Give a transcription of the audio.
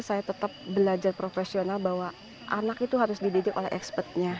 saya tetap belajar profesional bahwa anak itu harus dididik oleh ekspertnya